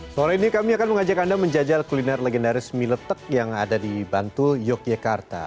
sore ini kami akan mengajak anda menjajal kuliner legendaris mie letek yang ada di bantul yogyakarta